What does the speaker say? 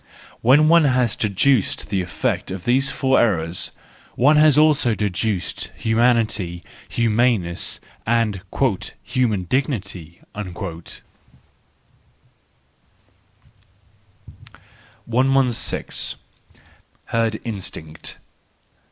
When one has deducted the effect of these four errors, one has also deducted humanity, humaneness, and "human dignity." 116. Herd Instinct.